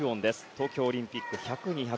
東京オリンピック１００、２００